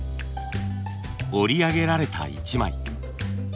織り上げられた一枚。